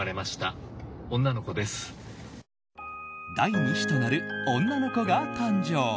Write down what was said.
第２子となる女の子が誕生。